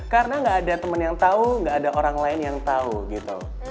karena gak ada temen yang tau gak ada orang lain yang tau gitu